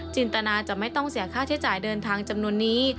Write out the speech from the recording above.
ตนาจะไม่ต้องเสียค่าใช้จ่ายเดินทางจำนวนนี้